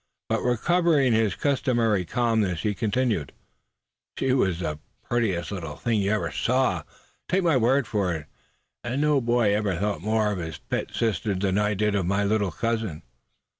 But recovering his customary calmness he continued: "She was the prettiest little thing you ever saw, suh, take my word foh it. And no boy ever thought more of his pet sister than I did of my little cousin.